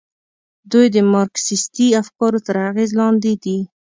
دوی د مارکسیستي افکارو تر اغېز لاندې دي.